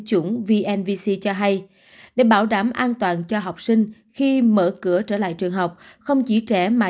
chuẩn vnvc cho hay để bảo đảm an toàn cho học sinh khi mở cửa trở lại trường học không chỉ trẻ mà